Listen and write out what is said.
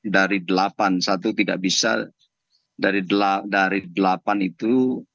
dari delapan satu tidak bisa dari delapan itu